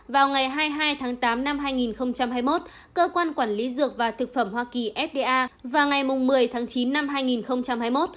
vào ngày hai mươi hai tháng tám năm hai nghìn hai mươi một cơ quan quản lý dược và thực phẩm hoa kỳ fda vào ngày một mươi tháng chín năm hai nghìn hai mươi một